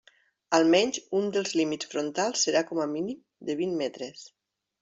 Almenys un dels límits frontals serà com a mínim de vint metres.